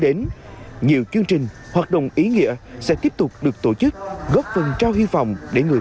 đến nhiều chương trình hoạt động ý nghĩa sẽ tiếp tục được tổ chức góp phần trao hy vọng để người